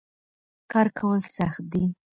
کار کول سخت دي.